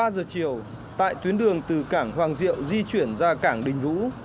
ba giờ chiều tại tuyến đường từ cảng hoàng diệu di chuyển ra cảng đình vũ